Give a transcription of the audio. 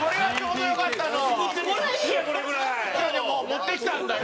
出川：持ってきたんだよ。